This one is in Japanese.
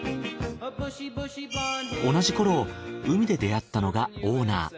同じころ海で出会ったのがオーナー。